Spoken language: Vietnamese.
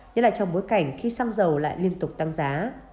nhất là trong bối cảnh khi xăng dầu lại liên tục tăng giá